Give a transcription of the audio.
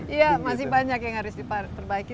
iya masih banyak yang harus diperbaiki